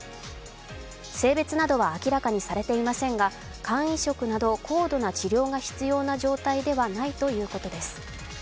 性別などは明らかにされていませんが肝移植など高度な治療が必要な状態ではないということです。